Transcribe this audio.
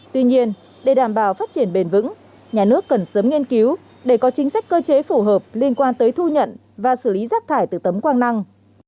tuy nhiên để đảm bảo phát triển bền vững nhà nước cần sớm nghiên cứu để có chính sách cơ chế phù hợp liên quan tới thu nhận và xử lý rác thải từ tấm quang năng